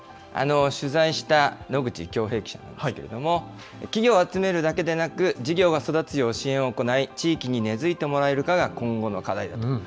取材した野口恭平記者ですけれども、企業を集めるだけでなく、事業が育つよう支援を行い、地域に根づいてもらえるかが、今後の課題だと。